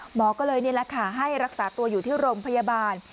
หมอก็เลยนี่แหละค่ะให้รักษาตัวอยู่ที่โรงพยาบาล